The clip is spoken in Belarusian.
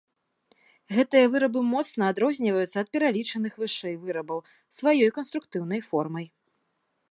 Гэтыя вырабы моцна адрозніваюцца ад пералічаных вышэй вырабаў сваёй канструктыўнай формай.